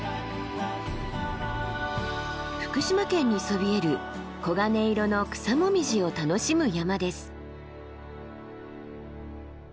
福島県にそびえる黄金色の草紅葉を楽しむ山です。